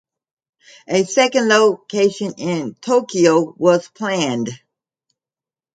A second location in Tokyo was planned.